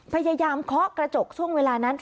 เคาะกระจกช่วงเวลานั้น